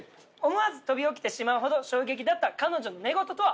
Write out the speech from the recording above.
思わず飛び起きてしまうほど衝撃だった彼女の寝言とは？